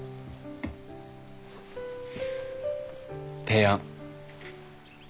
提案。